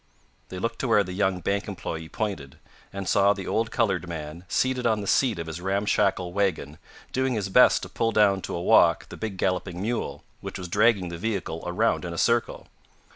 They looked to where the young bank employee pointed, and saw the old colored man, seated on the seat of his ramshackle wagon, doing his best to pull down to a walk the big galloping mule, which was dragging the vehicle around in a circle.